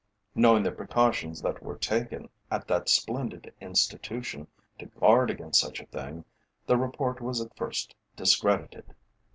Knowing the precautions that were taken at that splendid institution to guard against such a thing, the report was at first discredited.